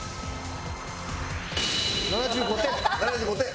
７５点。